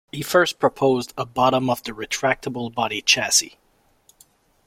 He first proposed a "bottom of the retractable body" chassis.